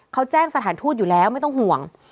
เขาแจ้งสถานทูตอยู่แล้วไม่ต้องห่วง